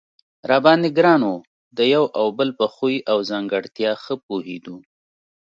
را باندې ګران و، د یو او بل په خوی او ځانګړتیا ښه پوهېدو.